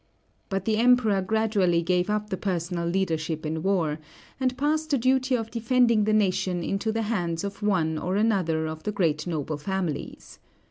But the Emperor gradually gave up the personal leadership in war, and passed the duty of defending the nation into the hands of one or another of the great noble families.